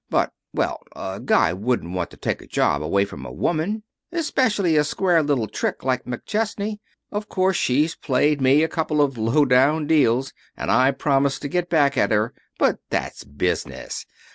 But well a guy wouldn't want to take a job away from a woman especially a square little trick like McChesney. Of course she's played me a couple of low down deals and I promised to get back at her, but that's business.